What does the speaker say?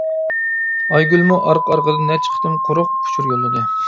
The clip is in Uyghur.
ئايگۈلمۇ ئارقا-ئارقىدىن نەچچە قېتىم قۇرۇق ئۇچۇر يوللىدى.